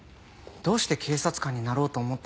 どうして警察官になろうと思った。